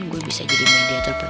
gue bisa jadi mediator